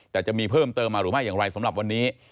แต่จะมีเพิ่มเติมมาหรือไม่อย่างไรสำหรับวันนี้